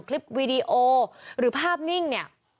คลิปวีดีโอหรือภาพนิ่งเนี่ย